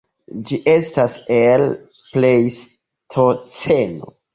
Ĝi estas el Plejstoceno.